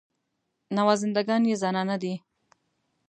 نوازنده ګان یې زنانه دي.